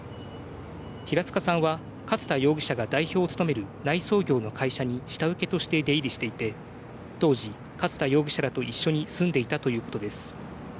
平塚さんは勝田容疑者が代表を務める内装業の会社に下請けとして出入りしていて、当時、勝田容疑者らと一緒に住んでいたということです。